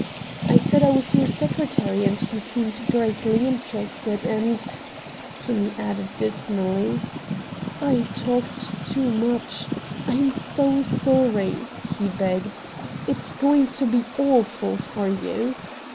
I said I was your secretary, and he seemed greatly interested, and " Kinney added dismally, "I talked too much. I am SO sorry," he begged. "It's going to be awful for you!"